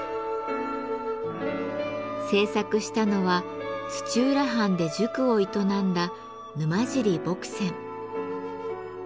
制作したのは土浦藩で塾を営んだ沼尻墨僊。